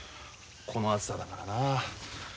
この暑さだからなあ。